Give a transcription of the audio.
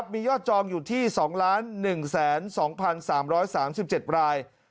มียอดจองอยู่ที่๒๑๒๓๓๗ราย